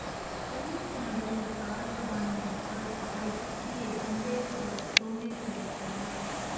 ஊருக்கு நடுவில் சாரங்கபாணி என்றால் அவரைச் சுற்றியே கும்பேசுரர், சோமேசுரர் எல்லாம்.